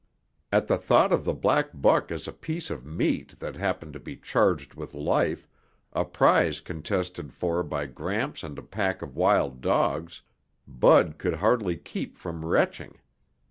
At the thought of the black buck as a piece of meat that happened to be charged with life, a prize contested for by Gramps and a pack of wild dogs, Bud could hardly keep from retching.